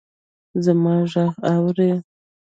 زما ږغ اورې!